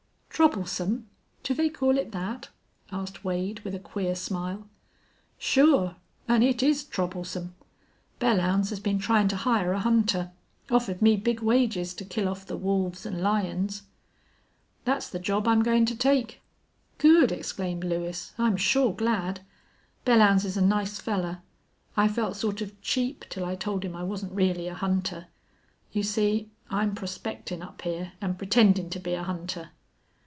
"Troublesome! Do they call it that?" asked Wade, with a queer smile. "Sure. An' it is troublesome. Belllounds has been tryin' to hire a hunter. Offered me big wages to kill off the wolves an' lions." "That's the job I'm goin' to take." "Good!" exclaimed Lewis. "I'm sure glad. Belllounds is a nice fellar. I felt sort of cheap till I told him I wasn't really a hunter. You see, I'm prospectin' up here, an' pretendin' to be a hunter."